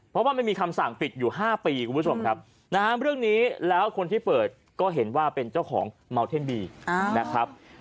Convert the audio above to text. เพราะว่ามันมีคำสั่งปิดอยู่๕ปีคุณผู้ชมครับ